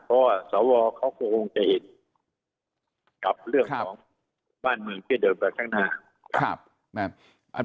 เพราะว่าสวเขาก็คงจะเห็นกับเรื่องของบ้านเมืองที่จะเดินไปข้างหน้า